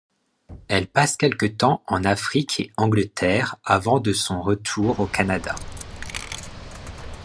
Elle passe quelque temps en Afrique et Angleterre avant de son retour au Canada.